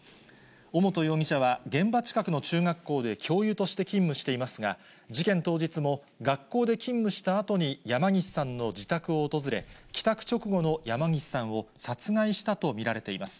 尾本容疑者は現場近くの中学校で教諭として勤務していますが、事件当日も、学校で勤務したあとに山岸さんの自宅を訪れ、帰宅直後の山岸さんを殺害したと見られています。